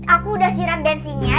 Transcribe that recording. aku udah siram bensinnya